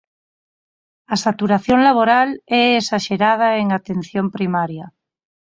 A saturación laboral é exaxerada en atención primaria.